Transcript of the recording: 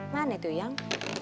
mana itu yang